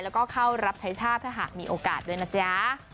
แล้วก็เข้ารับใช้ชาติถ้าหากมีโอกาสด้วยนะจ๊ะ